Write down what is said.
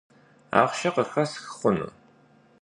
Ахъшэ къыхэсх хъуну?